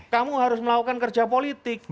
kamu harus melakukan kerja politik